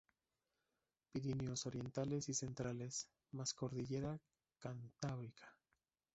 Pirineos orientales y centrales, más Cordillera Cantábrica.